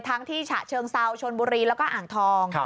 ทั้งที่ฉะเชิงเซาชนบุรีแล้วก็อ่างทอง